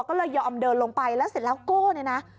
ก็เลยยอมเดินลงไปแล้วเสร็จแล้วโก้เนี่ยนะ